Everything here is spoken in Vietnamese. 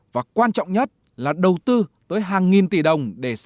và quan trọng nhất là đầu tư tới hàng nghìn tỷ đồng